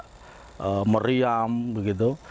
ada meriam begitu